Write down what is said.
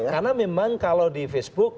karena memang kalau di facebook